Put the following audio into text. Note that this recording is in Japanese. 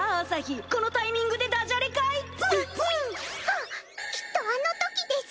あっきっとあのときです！